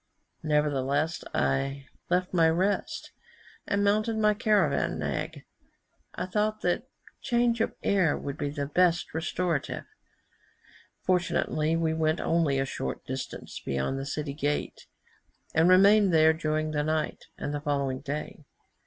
Nevertheless I left my rest, and mounted my caravan nag; I thought that change of air would be the best restorative. Fortunately we went only a short distance beyond the city gate, and remained there during the night and the following day.